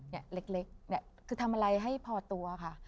เนี่ยเล็กคือทำอะไรให้พอตัวค่ะ